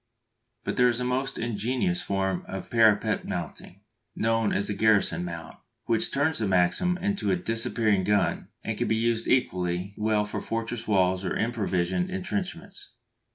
But there is a most ingenious form of parapet mounting, known as the garrison mount, which turns the Maxim into a "disappearing gun," and can be used equally well for fortress walls or improvised entrenchments.